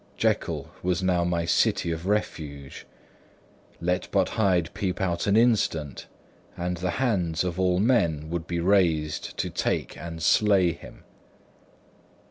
Jekyll was now my city of refuge; let but Hyde peep out an instant, and the hands of all men would be raised to take and slay him.